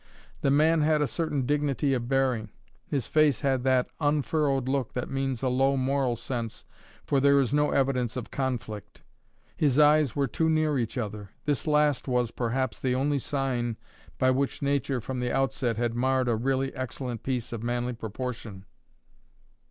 The man had a certain dignity of bearing; his face had that unfurrowed look that means a low moral sense, for there is no evidence of conflict. His eyes were too near each other; this last was, perhaps, the only sign by which Nature from the outset had marred a really excellent piece of manly proportion.